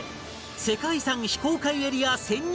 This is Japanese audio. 世界遺産非公開エリア潜入